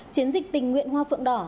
chiến dịch tỉnh nguyện hoa phượng đỏ